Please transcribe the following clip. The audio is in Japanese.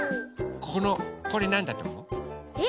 これなんだとおもう？え？